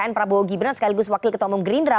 prabowo gibran sekaligus wakil ketua umum gerindra